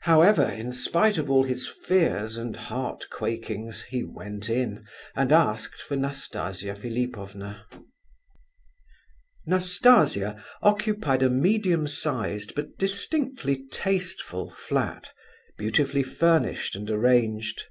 However, in spite of all his fears and heart quakings he went in, and asked for Nastasia Philipovna. Nastasia occupied a medium sized, but distinctly tasteful, flat, beautifully furnished and arranged.